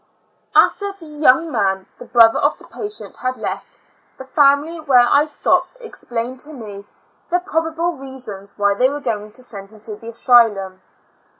After the young man, the brother of the patient, had kft, the family where I stopped explained to me the probable reasons why they were going to send him to the asylum.